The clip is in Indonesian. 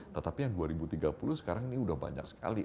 tetapi yang dua ribu tiga puluh sekarang ini sudah banyak sekali